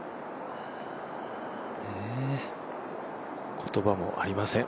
言葉もありません、